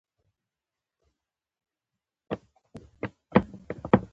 دوهم څپرکی: په فني توګه اندازه کول